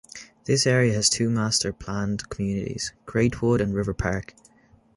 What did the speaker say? This area has two master-planned communities, Greatwood and River Park.